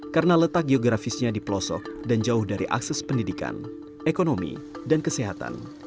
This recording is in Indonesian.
karena letak geografisnya di pelosok dan jauh dari akses pendidikan ekonomi dan kesehatan